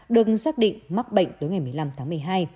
được xác định mắc bệnh tối ngày một mươi năm tháng một mươi hai